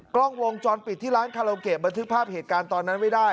กล้องวงจรปิดที่ร้านคาราโอเกะบันทึกภาพเหตุการณ์ตอนนั้นไว้ได้